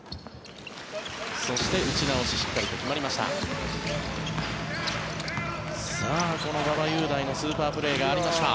そして打ち直ししっかりと決まりました。